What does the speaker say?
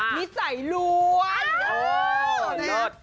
มิสัยรวด